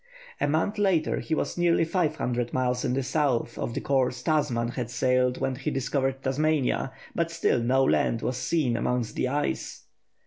A month later he was nearly five hundred miles to the south of the course Tasman had sailed when he discovered Tasmania, but still no land was seen amongst the ice.